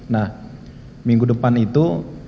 nah minggu depan itu